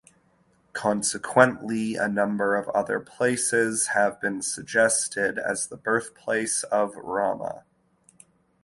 Consequently, a number of other places have been suggested as the birthplace of Rama.